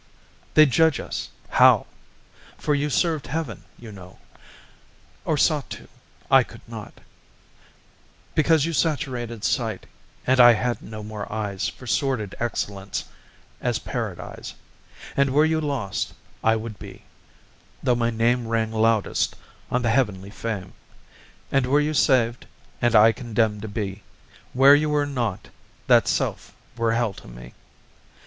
They'd judge us how? For you served Heaven, you know, Or sought to; I could not, Because you saturated sight, And I had no more eyes For sordid excellence As Paradise. And were you lost, I would be, Though my name Rang loudest On the heavenly fame. And were you saved, And I condemned to be Where you were not, That self were hell to me.